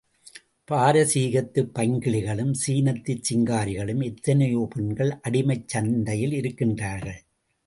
பாரசீகத்துப் பைங்கிளிகளும் சீனத்துச் சிங்காரிகளும் எத்தனையோ பெண்கள் அடிமைச் சந்தையிலே இருக்கின்றார்கள்.